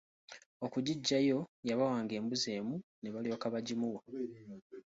Okugiggyayo yabawanga embuzi emu ne balyoka bagimuwa.